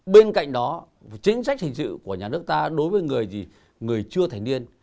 bên cạnh đó chính sách hình sự của nhà nước ta đối với người chưa thành niên